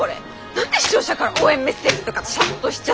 何で視聴者から応援メッセージとか殺到しちゃってんの？